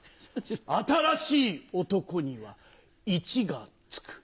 新しい男には「一」が付く。